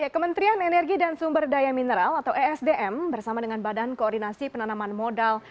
kementerian energi dan sumber daya mineral atau esdm bersama dengan badan koordinasi penanaman modal